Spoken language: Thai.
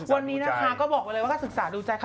วันนี้นะคะก็บอกไว้เลยว่าก็ศึกษาดูใจค่ะ